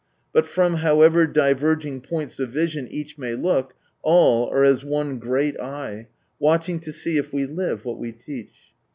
But from however diverging points of vision each may look, all are as one great Eve, watching to see if we live what we teach.